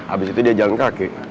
abis itu dia jalan kaki